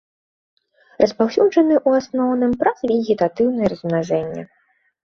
Распаўсюджаны ў асноўным праз вегетатыўнае размнажэнне.